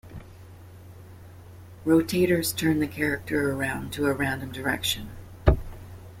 Rotators turn the character around to a random direction.